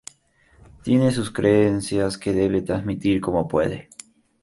Tiene sus creencias que debe transmitir como puede".